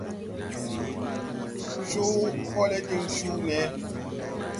Co hoole diŋ cuu nee.